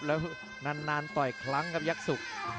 แล้วนานต่ออีกครั้งครับยักษุ